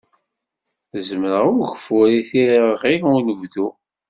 Zemreɣ i ugeffur i tirɣi n unebdu.